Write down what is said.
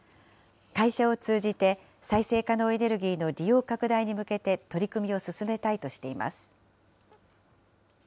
会社を通じて再生可能エネルギーの利用拡大に向けて、取り組みを進めたいとしています。